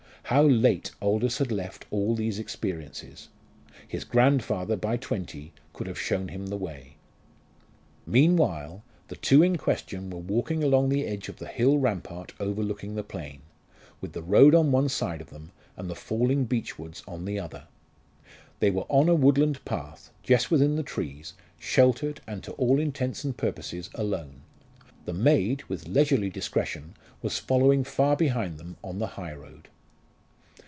How late Aldous had left all these experiences! His grandfather, by twenty, could have shown him the way. Meanwhile the two in question were walking along the edge of the hill rampart overlooking the plain, with the road on one side of them, and the falling beech woods on the other. They were on a woodland path, just within the trees, sheltered, and to all intents and purposes alone. The maid, with leisurely discretion, was following far behind them on the high road.